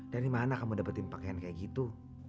dari mana kamu mendapatkan pakaian seperti itu